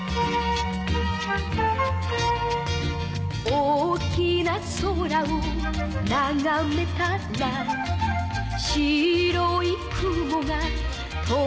「大きな空をながめたら」「白い雲が飛んでいた」